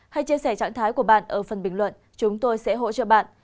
hãy chia sẻ trạng thái của bạn ở phần bình luận chúng tôi sẽ hỗ trợ bạn